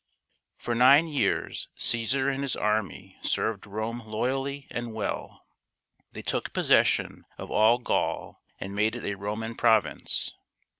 For nine years Caesar and his army served Rome loyally and well. They took possession of all Gaul and made it a Roman province.